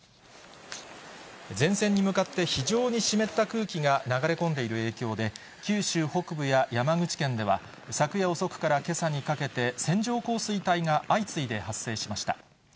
前線に向かって非常に湿った空気が流れ込んでいる影響で、九州北部や山口県では、昨夜遅くからけさにかけて線状降水帯が相次いで発生しました。